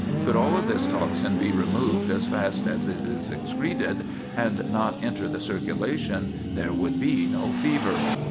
Could all of this toxin be removed as fast as it is excreted, and not enter the circulation, there would be no fever.